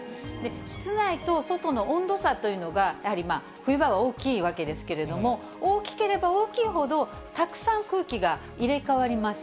室内と外の温度差というのが、やはり冬場は大きいわけですけれども、大きければ大きいほど、たくさん空気が入れ代わります。